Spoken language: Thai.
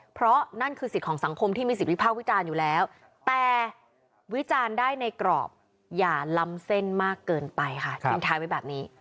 เพราะนั่นคือสิทธิ์ของสังคมที่มีสิทธิวิภาควิจารณ์อยู่แล้วแต่วิจารณ์ได้ในกรอบอย่าล้ำเส้นมากเกินไปค่ะทิ้งท้ายไว้แบบนี้